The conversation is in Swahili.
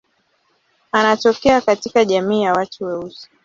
Anatokea katika jamii ya watu weusi.